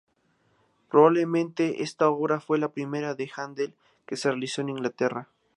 Probablemente esta obra fue la primera de Handel que se realizó en Inglaterra.